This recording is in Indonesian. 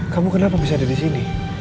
kamu kenapa bisa ada di sini